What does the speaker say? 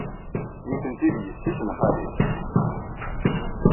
Nitenti d yessi-s n xali.